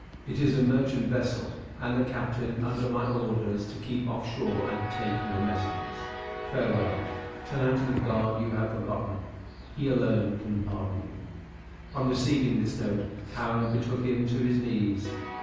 It is a merchant vessel, and the Captain under my orders to keep off shore and take no messages. Farewell. Turn to the God you have forgotten. He alone can pardon you." On receiving this note, Cowen betook him to his knees.